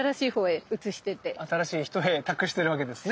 新しい人へ託してるわけですね。